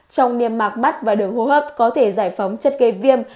trong niềm mạc mắt và đường hô hấp có thể giải phóng chất gây viêm